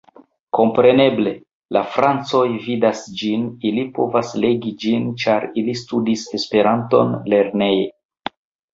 Kompreneble, la francoj vidas ĝin, ili povas legi ĝin, ĉar ili studis Esperanton lerneje.